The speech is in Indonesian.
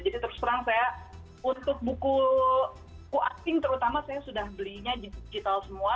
jadi terus terang saya untuk buku acting terutama saya sudah belinya digital semua